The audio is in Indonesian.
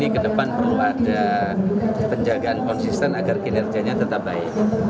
kedepan perlu ada penjagaan konsisten agar kinerjanya tetap baik